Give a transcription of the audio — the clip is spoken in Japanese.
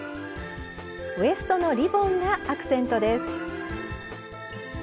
ウエストのリボンがアクセントです。